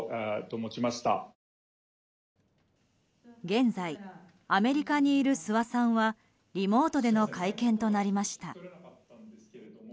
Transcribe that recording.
現在、アメリカにいる諏訪さんはリモートでの会見となりました。